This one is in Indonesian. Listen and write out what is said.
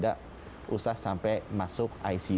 dan tidak usah sampai masuk icu